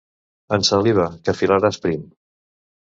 Ensaliva, que filaràs prim.